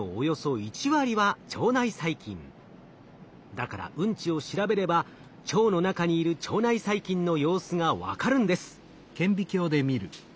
だからうんちを調べれば腸の中にいる腸内細菌の様子が分かるんです。